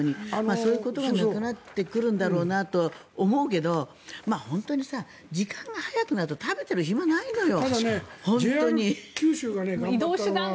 そういうことがなくなってくるんだろうなと思うけど本当に時間が早くなると食べている暇、ないのよ。